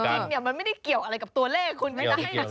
จริงเนี่ยมันไม่ได้เกี่ยวอะไรกับตัวเลขคุณไม่ได้นะ